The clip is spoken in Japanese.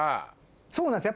そうなんですよ